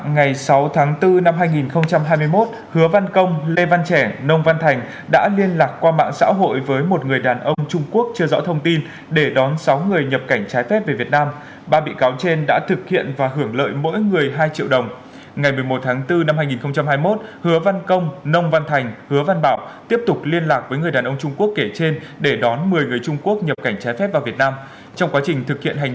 ngày một mươi sáu tháng chín tòa án nhân dân tỉnh cao bằng mở phiên tòa xét xử sơ thẩm vụ án tổ chức cho người khác nhập cảnh trái phép đối với bốn bị cáo hứa văn công nông văn thành hứa văn bảo lê văn trẻng cùng chú tại xóm lũng phi ác xã đàm thủy huyện trùng khánh tỉnh cao bằng